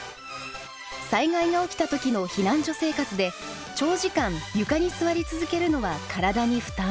災害が起きた時の避難所生活で長時間床に座り続けるのは体に負担。